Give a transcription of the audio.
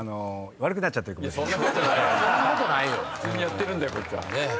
普通にやってるんだよこっちは。